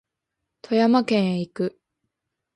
富山県へ行く